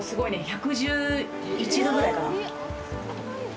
１１１度ぐらいかな。